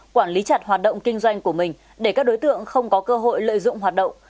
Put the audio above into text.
quản lý chặt hoạt động kinh doanh của mình để các đối tượng không có cơ hội lợi dụng hoạt động